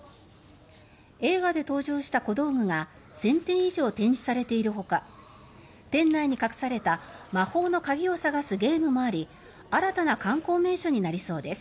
映画で登場した小道具が１０００点以上展示されているほか店内に隠された魔法の鍵を探すゲームもあり新たな観光名所になりそうです。